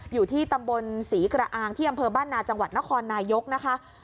อยู่ที่ตำบลศรีกระอางที่อำเภอบ้านนาจังหวัดนครนายกนะคะ